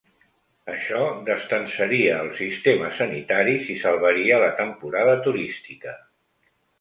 Això destensaria els sistemes sanitaris i salvaria la temporada turística.